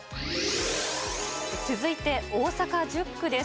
続いて大阪１０区です。